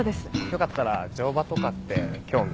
よかったら乗馬とかって興味。